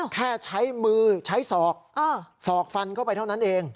แค่ใช้มือใช้ศอกสอกฟันเข้าไปเท่านั้นเอง